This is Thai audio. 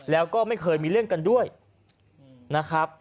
แล้วก็ไม่เคยมีเรื่องกันด้วยนะครับ